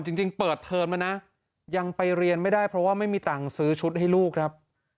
จริงเปิดเทิร์นมานะยังไปเรียนไม่ได้เพราะว่าไม่มีตังค์ซื้อชุดให้ลูกครับ